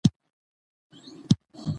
سنگ مرمر د افغان ځوانانو لپاره دلچسپي لري.